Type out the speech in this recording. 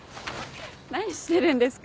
何してるんですか？